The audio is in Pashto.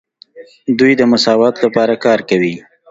دوی د مساوات لپاره کار کوي.